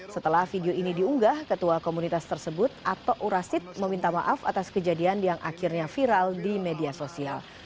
setelah video ini diunggah ketua komunitas tersebut ato urasid meminta maaf atas kejadian yang akhirnya viral di media sosial